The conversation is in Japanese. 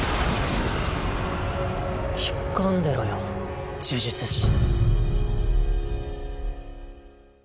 引っ込んでろよ呪術師。